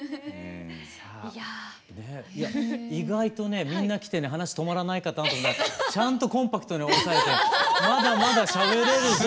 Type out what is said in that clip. いや意外とねみんな来てね話止まらないかなと思ったらちゃんとコンパクトに抑えてまだまだしゃべれる。